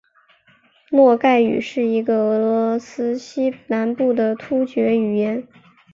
诺盖语是一个俄罗斯西南部的突厥语言。